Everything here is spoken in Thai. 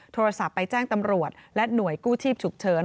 โทรศัพท์ไปแจ้งตำรวจและหน่วยกู้ชีพฉุกเฉิน